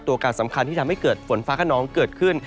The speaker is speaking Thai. ตัวการสำคัญที่ทำให้เกิดฝนฟ้าขนองเกิดขึ้น